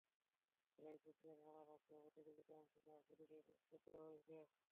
খেলায় champion, runners আপসহ প্রতিযোগিতায় অংশ নেওয়া বলীদের পুরস্কার দেওয়া হয়েছে।